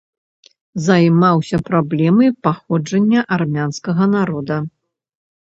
Займаўся праблемай паходжання армянскага народа.